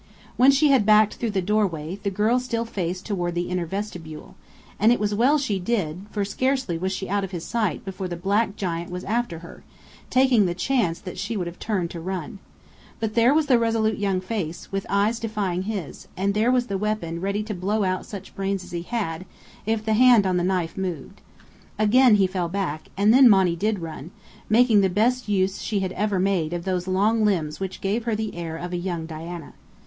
When she had backed through the doorway, the girl still faced toward the inner vestibule, and it was well she did so, for scarcely was she out of his sight before the black giant was after her, taking the chance that she would have turned to run. But there was the resolute young face, with eyes defying his; and there was the weapon ready to blow out such brains as he had, if the hand on the knife moved. Again he fell back, and then Monny did run, making the best use she had ever made of those long limbs which gave her the air of a young Diana.